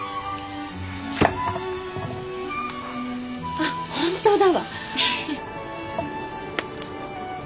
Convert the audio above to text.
あっ本当だわ。